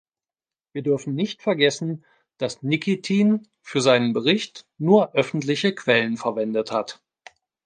Wir dürfen nicht vergessen, dass Nikitin für seinen Bericht nur öffentliche Quellen verwendet hat.